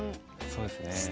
そうですね。